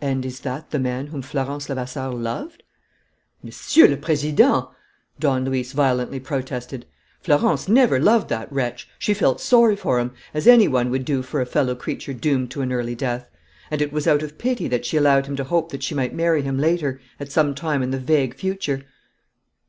"And is that the man whom Florence Levasseur loved?" "Monsieur le Président!" Don Luis violently protested. "Florence never loved that wretch! She felt sorry for him, as any one would for a fellow creature doomed to an early death; and it was out of pity that she allowed him to hope that she might marry him later, at some time in the vague future."